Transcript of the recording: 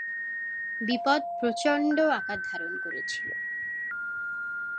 বিপদ প্রচণ্ড আকার ধারণ করেছিল।